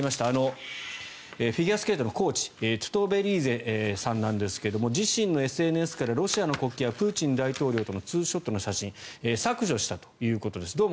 あのフィギュアスケートのコーチトゥトベリーゼさんですが自身のＳＮＳからロシアの国旗やプーチン大統領とのツーショットの写真を削除したということです。